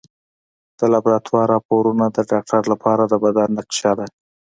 د لابراتوار راپورونه د ډاکټر لپاره د بدن نقشه ده.